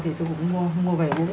thì tôi cũng mua về uống